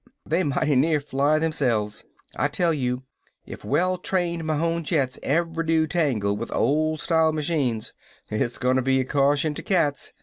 They mighty near fly themselves! I tell you, if well trained Mahon jets ever do tangle with old style machines, it's goin' to be a caution to cats!